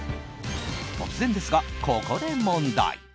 突然ですが、ここで問題。